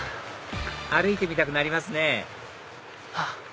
歩いてみたくなりますね